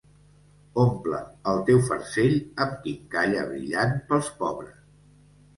Omple el teu farcell amb quincalla brillant pels pobres.